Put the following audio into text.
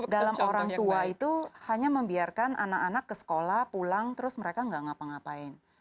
dalam orang tua itu hanya membiarkan anak anak ke sekolah pulang terus mereka nggak ngapa ngapain